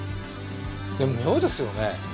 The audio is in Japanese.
でも妙ですよね。